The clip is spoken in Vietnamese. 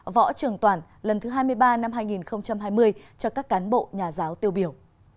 võ trường toản lần thứ hai mươi ba năm hai nghìn hai mươi cho các cán bộ nhà giáo tiêu biểu